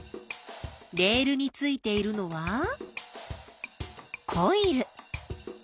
レールについているのはコイル。